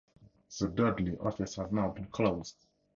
The Dudley office has now been closed.